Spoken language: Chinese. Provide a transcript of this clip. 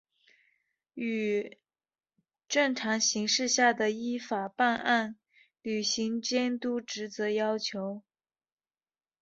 与正常形势下的依法办案、履行监督职责要求